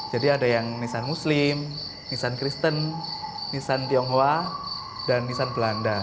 jadi ada yang nisan muslim nisan kristen nisan tionghoa dan nisan belanda